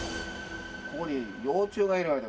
ここに幼虫がいるわけだ。